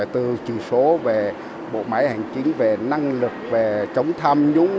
từ chỉ số về bộ máy hành chính về năng lực về chống tham nhũng